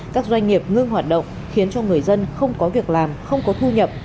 các doanh nghiệp ngưng hoạt động khiến cho người dân không có việc làm không có thu nhập